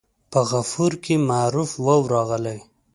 په غفور کې معروف واو راغلی.